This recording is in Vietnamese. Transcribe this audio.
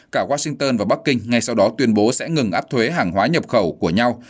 cả washington và bắc kinh ngay sau đó tuyên bố sẽ ngừng áp thuế hàng hóa nhập khẩu của nhau